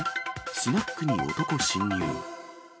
スナックに男侵入。